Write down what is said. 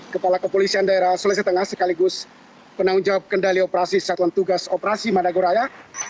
kepala kepolisian daerah sulawesi tengah sekaligus penanggung jawab kendali operasi satuan tugas operasi madagoraya